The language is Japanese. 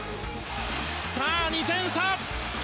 さあ、２点差！